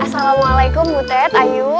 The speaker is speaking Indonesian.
assalamualaikum bu ted ayo